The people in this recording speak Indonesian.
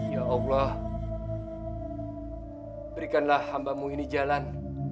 ya allah berikanlah hambamu ini jalan